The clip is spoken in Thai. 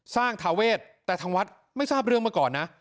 ทาเวทแต่ทางวัดไม่ทราบเรื่องมาก่อนนะ